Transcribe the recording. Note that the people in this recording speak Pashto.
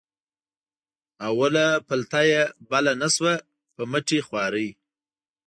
اوله پلته یې بله نه شوه په مټې خوارۍ.